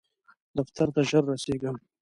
دفتر ته ژر رسیږم